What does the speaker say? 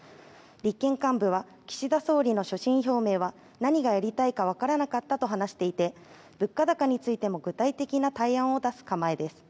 立憲幹部は岸田総理の所信表明は何がやりたいかわからなかったと話していて、物価高についても具体的な対案を出す構えです。